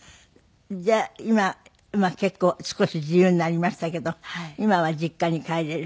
じゃあ今結構少し自由になりましたけど今は実家に帰れる？